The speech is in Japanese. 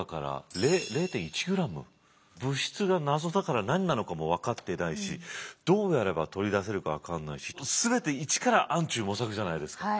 物質が謎だから何なのかも分かってないしどうやれば取り出せるか分かんないし全て一から暗中模索じゃないですか。